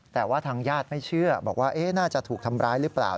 แต่ว่าทางญาติไม่เชื่อบอกว่าน่าจะถูกทำร้ายหรือเปล่า